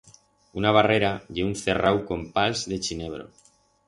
Una barrera ye un cerrau con pals de chinebro.